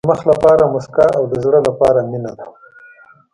د مخ لپاره موسکا او د زړه لپاره مینه ده.